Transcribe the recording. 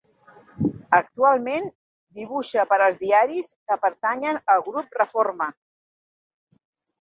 Actualment dibuixa per als diaris que pertanyen al Grupo Reforma.